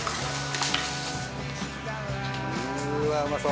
うわうまそう！